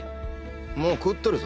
もう食ってるぞ。